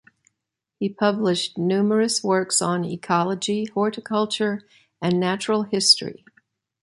He published numerous works on ecology, horticulture, and natural history.